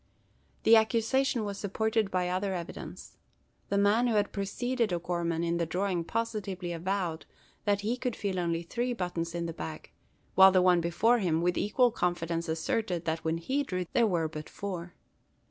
The accusation was supported by other evidence. The man who had preceded O'Gorman in the drawing positively avowed that he could feel only three buttons in the bag; while the one before him, with equal confidence, asserted that when he drew, there were but four.